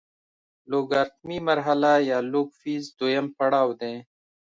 لوګارتمي مرحله یا لوګ فیز دویم پړاو دی.